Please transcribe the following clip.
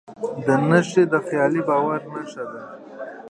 دا نښې د خیالي باور نښه ده.